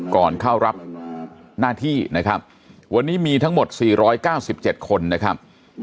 ก่อนเข้ารับหน้าที่นะครับวันนี้มีทั้งหมด๔๙๗คนนะครับ